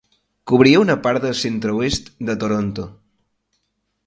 Cobria una part de centre-oest de Toronto.